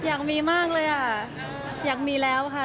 อยากมีมากเลยอ่ะอยากมีแล้วค่ะ